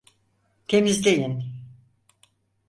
Temizleyin.